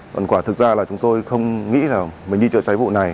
còn quả thực ra là chúng tôi không nghĩ là mình đi chữa cháy vụ này